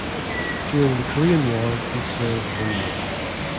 During the Korean War he served one year.